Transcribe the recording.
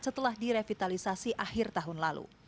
setelah direvitalisasi akhir tahun lalu